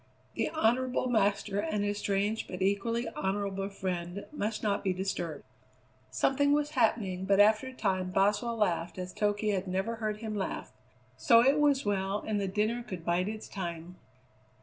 The honourable master and his strange but equally honourable friend must not be disturbed. Something was happening; but after a time Boswell laughed as Toky had never heard him laugh; so it was well, and the dinner could bide its time.